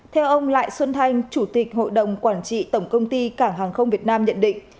theo ông lại xuân thanh chủ tịch hội đồng quản trị tổng công ty cảng hàng không việt nam nhận định